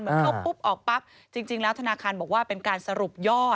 เข้าปุ๊บออกปั๊บจริงแล้วธนาคารบอกว่าเป็นการสรุปยอด